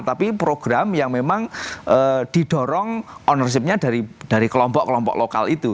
tapi program yang memang didorong ownership nya dari kelompok kelompok lokal itu